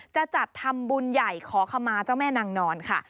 จะจัดทำบุญใหญ่ขอขมาเจ้าแม่นางนอนค่ะ